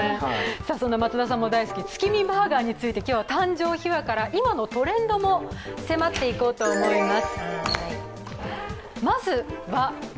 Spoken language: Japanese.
そんな松田さんも大好き、月見バーガーについて、今日は誕生秘話から今のトレンドに迫っていこうと思います。